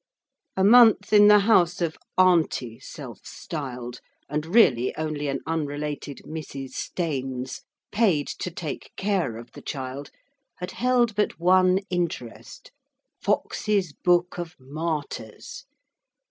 A month in the house of 'Auntie' self styled, and really only an unrelated Mrs. Staines, paid to take care of the child, had held but one interest Foxe's Book of Martyrs.